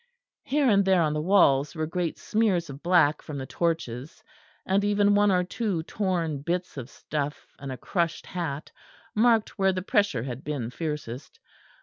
Here and there on the walls were great smears of black from the torches, and even one or two torn bits of stuff and a crushed hat marked where the pressure had been fiercest.